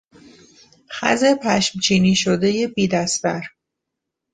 خز پشمچینی شدهی بیدستر